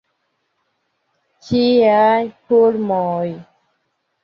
Kiaj pulmoj!